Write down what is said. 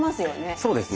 そうですね。